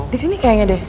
disini kayaknya deh